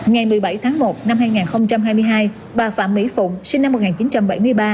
ngày một mươi bảy tháng một năm hai nghìn hai mươi hai bà phạm mỹ phụng sinh năm một nghìn chín trăm bảy mươi ba